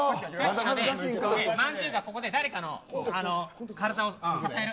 まんじゅうがここで誰かの体を支える。